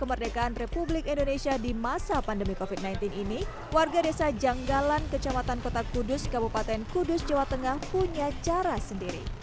kemerdekaan republik indonesia di masa pandemi covid sembilan belas ini warga desa janggalan kecamatan kota kudus kabupaten kudus jawa tengah punya cara sendiri